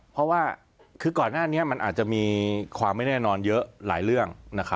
เพราะว่าคือก่อนหน้านี้มันอาจจะมีความไม่แน่นอนเยอะหลายเรื่อง